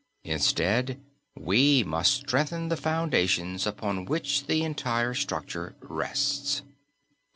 Instead, we must strengthen the foundations upon which the entire structure rests.